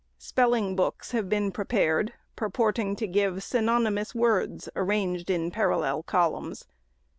Spelling books have been pre pared, purporting to give synonymous words, arranged in parallel columns.